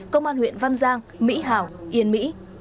công an huyện văn giang mỹ hảo yên mỹ